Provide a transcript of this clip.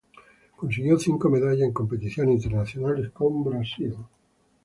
Consiguió cinco medallas en competiciones internacionales con Brasil.